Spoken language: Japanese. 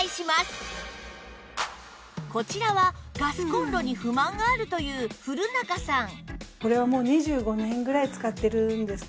こちらはガスコンロに不満があるという古仲さん